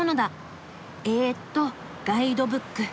えっとガイドブック。